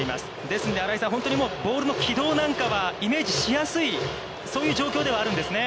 ですので、新井さん、本当にボールの軌道なんかはイメージしやすいそういう状況ではあるんですね。